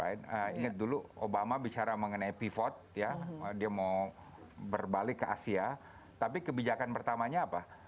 ingat dulu obama bicara mengenai pivot ya dia mau berbalik ke asia tapi kebijakan pertamanya apa